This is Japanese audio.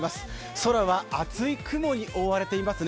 空は厚い雲に覆われていますね。